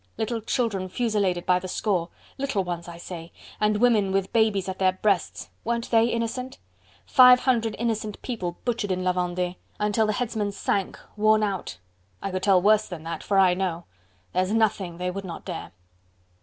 little children fusilladed by the score... little ones, I say, and women with babies at their breasts ... weren't they innocent?... Five hundred innocent people butchered in La Vendee... until the Headsman sank worn not... I could tell worse than that... for I know.... There's nothing they would not dare!..."